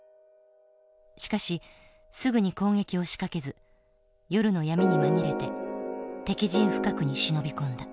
しかしすぐに攻撃を仕掛けず夜の闇に紛れて敵陣深くに忍び込んだ。